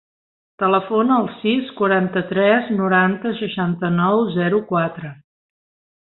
Telefona al sis, quaranta-tres, noranta, seixanta-nou, zero, quatre.